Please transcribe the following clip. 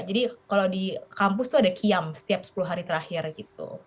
jadi kalau di kampus itu ada kiam setiap sepuluh hari terakhir gitu